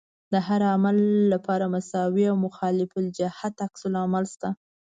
د هر عمل لپاره مساوي او مخالف الجهت عکس العمل شته.